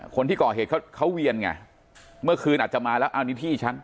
คนที่ก่อเหตุเขาเขาเวียนไงเมื่อคืนอาจจะมาแล้วอ้าวนี่ที่ฉัน